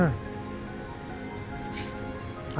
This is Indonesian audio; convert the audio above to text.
asalkan izin itu yang pertama